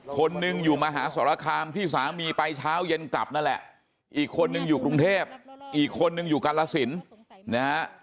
คนหนึ่งอยู่มหาสรคามที่สามีไปเช้าเย็นกลับนั่นแหละอีกคนนึงอยู่กรุงเทพอีกคนนึงอยู่กาลสินนะฮะ